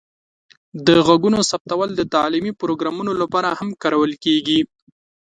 د غږونو ثبتول د تعلیمي پروګرامونو لپاره هم کارول کیږي.